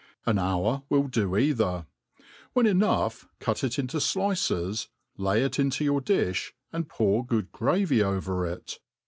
An hour will do either. When enough, cut it into flices, lay it into your di(h, and pour good gravy over it.